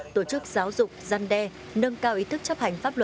tổ chức giáo dục giăn đe nâng cao ý thức chấp hành pháp